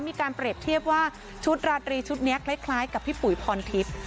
มีการเปรียบเทียบว่าชุดราตรีชุดนี้คล้ายกับพี่ปุ๋ยพรทิพย์